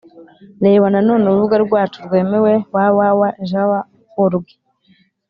Reba nanone urubuga rwacu rwemewe www jw org